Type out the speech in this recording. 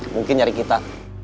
mungkin nyari kita